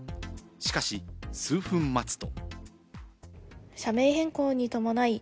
しかし、数分待つと。